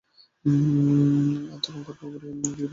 তখন গর্বভরে গিরিবালার বক্ষ ফুলিতে লাগিল।